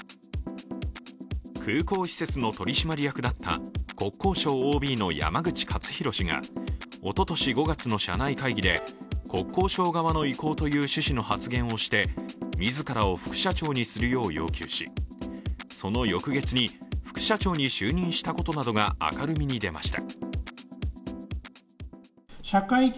空港施設の取締役だった国交省ＯＢの山口勝弘氏がおととし５月の社内会議で国交相側の意向という趣旨の発言をして自らを副社長にするよう要求しその翌月に副社長に就任したことなどから明るみに出ました。